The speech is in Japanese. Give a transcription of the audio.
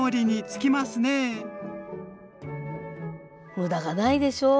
無駄がないでしょ。